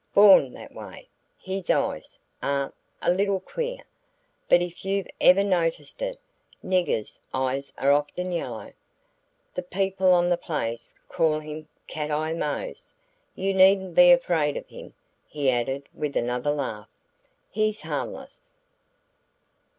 "Born that way. His eyes are a little queer, but if you've ever noticed it, niggers' eyes are often yellow. The people on the place call him 'Cat Eye Mose.' You needn't be afraid of him," he added with another laugh, "he's harmless."